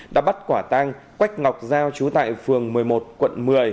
đã bắt quả tang quách ngọc giao trú tại phường một mươi một quận một mươi